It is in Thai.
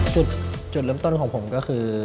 จุดเริ่มต้นของผมก็คือ